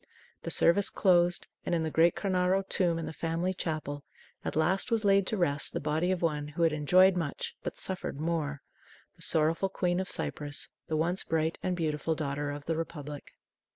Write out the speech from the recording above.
The service closed, and in the great Cornaro tomb in the family chapel, at last was laid to rest the body of one who had enjoyed much but suffered more the sorrowful Queen of Cyprus, the once bright and beautiful Daughter of the Republic.